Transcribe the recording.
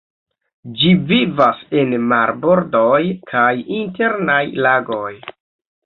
Ĝi vivas en marbordoj kaj internaj lagoj.